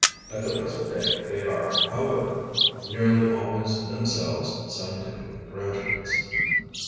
At the present day they are, however, nearly always themselves scientific graduates.